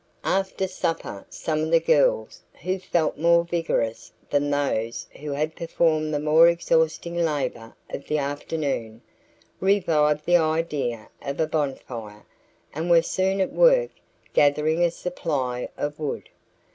After supper some of the girls, who felt more vigorous than those who had performed the more exhausting labor of the afternoon, revived the idea of a bonfire and were soon at work gathering a supply of wood.